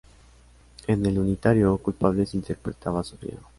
En el unitario "Culpables" interpretaba a Sofía.